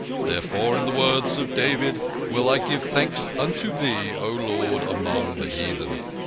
Therefore, in the words of David, will I give thanks unto Thee, O Lord, among the heathen."